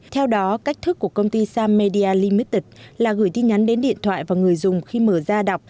theo đó cách thức của công ty samedia limited là gửi tin nhắn đến điện thoại và người dùng khi mở ra đọc